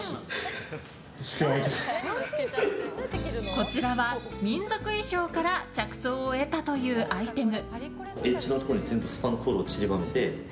こちらは民族衣装から着想を得たというアイテム。